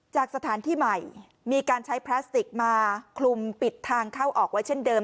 จากสถานที่ใหม่มีการใช้พลาสติกมาคลุมปิดทางเข้าออกไว้เช่นเดิม